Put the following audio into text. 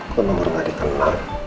kok nomor gak dikenal